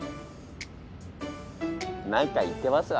何か言ってますわね。